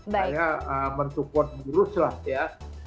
saya mendukung lurus lah ya